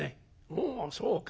「おうそうか。